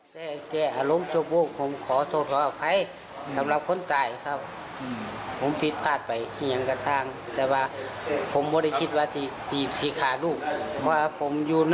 ผมไม่ได้คิดว่าจะหาลูกเพราะว่าผมอยู่น้ำเขามา๑๐กว่าปีแล้วก็ไม่